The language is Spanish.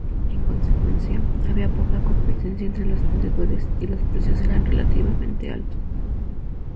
En consecuencia, había poca competencia entre los vendedores y los precios eran relativamente altos.